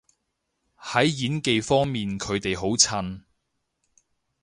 喺演技方面佢哋好襯